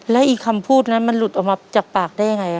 แล้วอีกคำพูดนั้นมันหลุดออกมาจากปากได้ยังไง